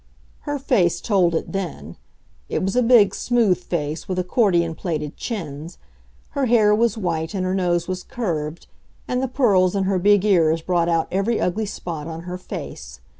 Her face told it then. It was a big, smooth face, with accordion plaited chins. Her hair was white and her nose was curved, and the pearls in her big ears brought out every ugly spot on her face.